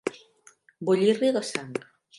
Bullir-li la sang.